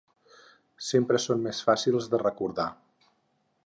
Sempre són més fàcils de recordar.